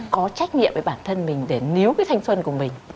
có trách nhiệm với bản thân mình để nếu cái thanh xuân của mình